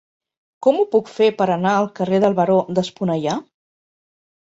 Com ho puc fer per anar al carrer del Baró d'Esponellà?